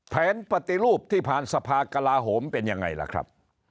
แผนปฏิรูปที่ผ่านสภากลาโหมเป็นยังไงล่ะครับ